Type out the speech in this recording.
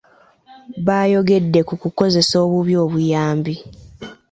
Baayogedde ku kukozesa obubi obuyambi.